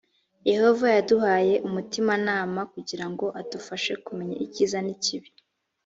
yehova yaduhaye umutimanama kugira ngo adufashe kumenya ikiza n ikibi